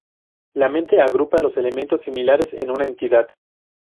La mente agrupa los elementos similares en una entidad.